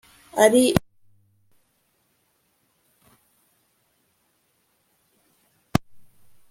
ari imwe mu nyandiko zigize dosiye isaba file